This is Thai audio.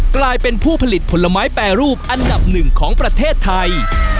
กลายเป็นผู้ผลิตผลไม้แปรรูปอันดับหนึ่งของประเทศไทย